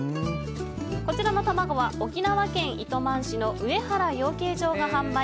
こちらの卵は、沖縄県糸満市の上原養鶏場が販売。